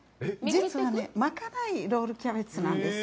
実はね、巻かないロールキャベツなんです。